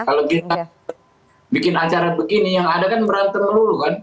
kalau kita bikin acara begini yang ada kan berantem melulu kan